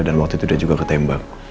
dan waktu itu dia juga ketembak